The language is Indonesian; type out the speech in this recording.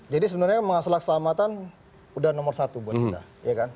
jadi sebenarnya selak selamatan sudah nomor satu buat kita